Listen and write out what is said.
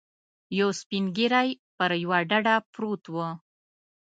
یو سپین ږیری پر یوه ډډه پروت و.